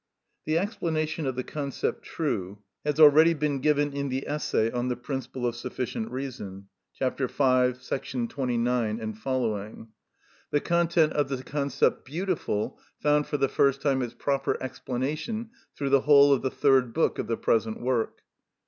The explanation of the concept true has already been given in the essay on the principle of sufficient reason, chap. v. § 29 et seq. The content of the concept beautiful found for the first time its proper explanation through the whole of the Third Book of the present work.